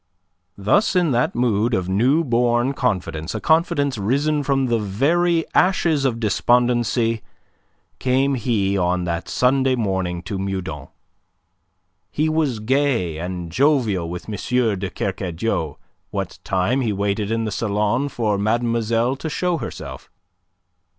Thus in that mood of new born confidence a confidence risen from the very ashes of despondency came he on that Sunday morning to Meudon. He was gay and jovial with M. de Kercadiou what time he waited in the salon for mademoiselle to show herself.